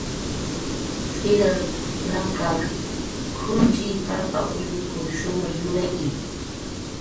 Tz'irar nanq'an junch'i, papa, ulluku shumay yurayki